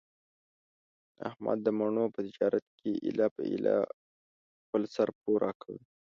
احمد د مڼو په تجارت کې ایله په ایله خپل سر پوره کړ.